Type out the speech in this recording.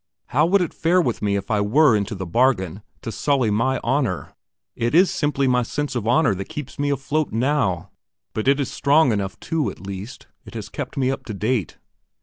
How would it fare with me if I were, into the bargain, to sully my honour? It is simply my sense of honour that keeps me afloat now. But it is strong enough too; at least, it has kept me up to date."